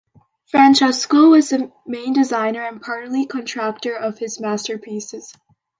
Francesco was main designer and partly contractor of his masterpieces.